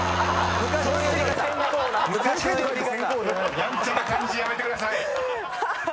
［やんちゃな感じやめてください］